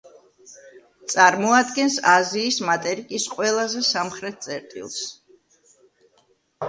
წარმოადგენს აზიის მატერიკის ყველაზე სამხრეთ წერტილს.